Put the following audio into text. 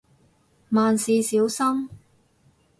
萬事小心